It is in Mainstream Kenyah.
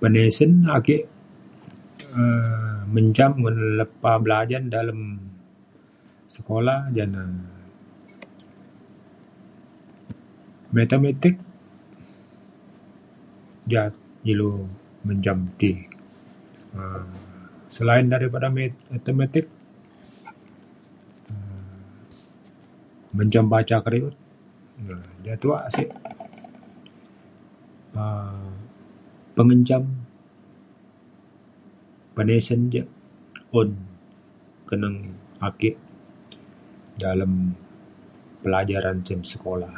penisen ja ake um mencam un lepa belajan dalem sekolah jane metametik ja ilu mencam ti. um selain daripada metamatik, mencam baca keriut ja tuak sik um pengencam, penisen ja un keneng ake dalem pelajaran cen sekolah.